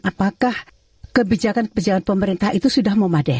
apakah kebijakan kebijakan pemerintah itu sudah memadai